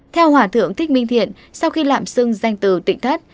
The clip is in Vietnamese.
theo hòa thượng thích minh thiện sau khi lạm xưng danh từ tịnh thất